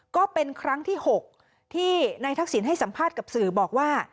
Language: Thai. ก็เป็นครั้งที่๖ที่นายทักษิณให้สัมภาษณ์กับสื่อบอกว่า